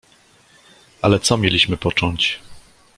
"Ale co mieliśmy począć?"